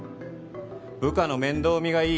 部下の面倒見がいい